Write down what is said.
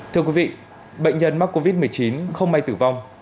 thưa quý vị bệnh nhân mắc covid một mươi chín không may tử vong